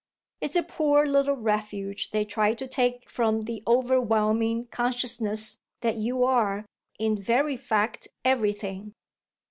"It's a poor little refuge they try to take from the overwhelming consciousness that you're in very fact everything."